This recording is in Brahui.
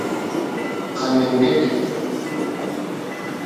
خننگک